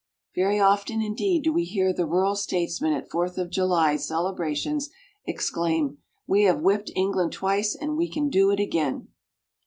Very often, indeed, do we hear the rural statesmen at Fourth of July celebrations exclaim, "We have whipped England twice, and we can do it again!"